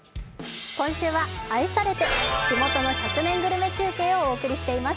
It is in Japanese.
今週は愛されて地元の１００年グルメ中継をお伝えしています。